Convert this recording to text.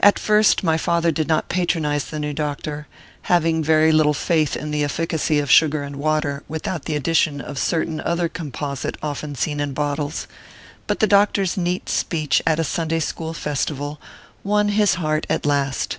At first., my father did not patronize the new doc tor, having very little faith in the efficacy of sugar and water without the addition of a certain other composite often seen in bottles ; but the doctor s neat speech at a Sunday school festival won his heart at last.